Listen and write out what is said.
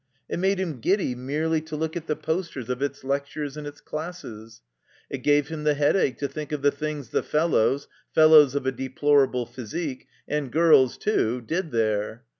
It made him giddy merely to look at the posters of its lectures and its classes. It gave him the headache to think of the things the fellows — ^fellows of a deplorable physique — ^and girls, too, did there.